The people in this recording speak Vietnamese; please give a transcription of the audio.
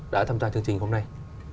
đã tham gia chương trình hôm nay